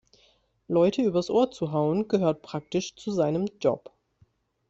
Leute übers Ohr zu hauen, gehört praktisch zu seinem Job.